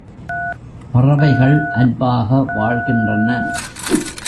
பறவைகள் அன்பாக வாழ்கின்றன.